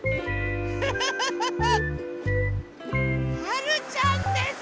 はるちゃんです！